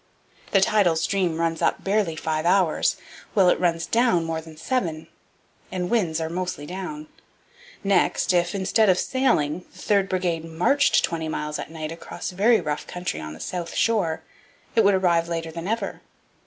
The tidal stream runs up barely five hours, while it runs down more than seven; and winds are mostly down. Next, if, instead of sailing, the third brigade marched twenty miles at night across very rough country on the south shore, it would arrive later than ever.